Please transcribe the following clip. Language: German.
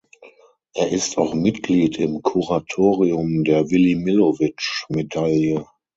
Er ist auch Mitglied im Kuratorium der Willy-Millowitsch-Medaille.